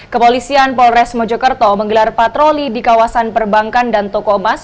kepolisian polres mojokerto menggelar patroli di kawasan perbankan dan toko emas